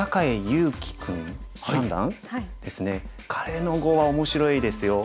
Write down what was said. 彼の碁は面白いですよ。